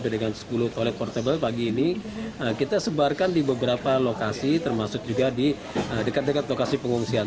dengan sepuluh toilet portable pagi ini kita sebarkan di beberapa lokasi termasuk juga di dekat dekat lokasi pengungsian